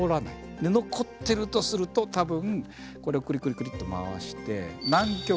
で残ってるとするとたぶんこれをクリクリクリっと回して南極